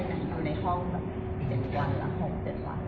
นี่คือตั้งแต่มาอยู่นี่ยังไม่ได้ไปหนาคุณในห้อง๗วันหรือห้อง๗วัน